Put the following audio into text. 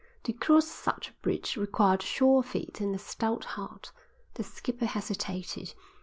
To cross such a bridge required sure feet and a stout heart. The skipper hesitated.